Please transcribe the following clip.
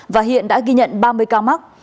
và hiện đã ghi nhận ba mươi ca mắc